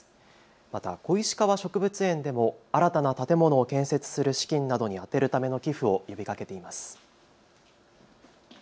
また小石川植物園でも新たな建物を建設する資金などに充てるための寄付を呼びかけています。